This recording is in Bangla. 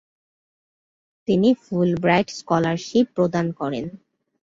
তিনি ফুলব্রাইট স্কলারশিপ প্রদান করেন।